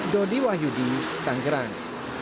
dodi wahyudi tangerang